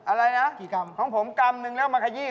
อะไรนะของผมกรรมหนึ่งแล้วมาขยี่